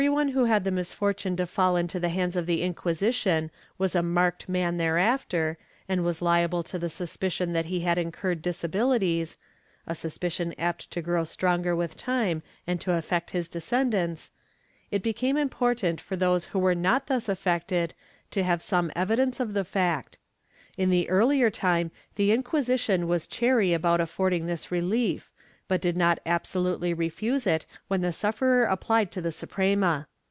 Ill] DISABILITIES 177 As everyone who had the misfortune to fall into the hands of the Inquisition was a marked man thereafter, and was liable to the suspicion that he had incurred disabilities — a suspicion apt to grow stronger with time and to affect his descendants — it became important for those who were not thus affected to have some evidence of the fact. In the earlier time the Inquisition was chary about affording this relief, but did not absolutely refuse it when the sufferer applied to the Suprema.